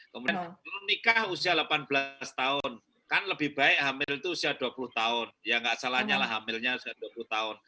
kemudian kalau nikah usia delapan belas tahun kan lebih baik hamil itu usia dua puluh tahun ya nggak salah nyalah hamilnya usia dua puluh tahun